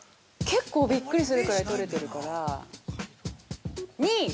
◆結構びっくりするくらい取れてるから、２位。